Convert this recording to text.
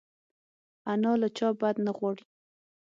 انا له چا بد نه غواړي